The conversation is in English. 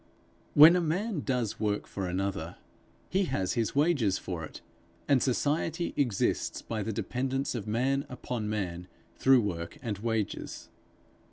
When a man does work for another, he has his wages for it, and society exists by the dependence of man upon man through work and wages.